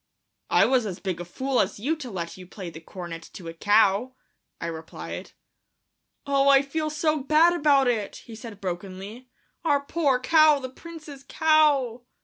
"I was as big a fool as you to let you play the cornet to a cow," I replied. "Oh, I feel so bad about it," he said brokenly; "our poor cow, the Prince's cow!"